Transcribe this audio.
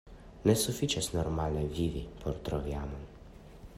Ne sufiĉas normale vivi por trovi amon.